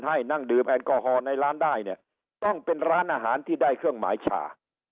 ให้นั่งดื่มแอลกอฮอลในร้านได้เนี่ยต้องเป็นร้านอาหารที่ได้เครื่องหมายชา